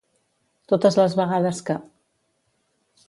Totes les vegades que.